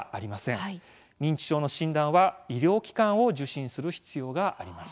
認知症の診断は医療機関を受診する必要があります。